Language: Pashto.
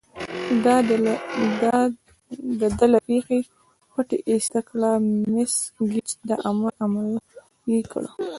د ده له پښې پټۍ ایسته کړه، مس ګېج دا امر عملي کړ.